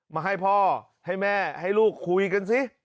มาให้พ่อให้แม่ให้ลูกคุยกันสิ